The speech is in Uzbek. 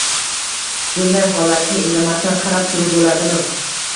bunday holatga indamasdan qarab turib bo‘ladimi?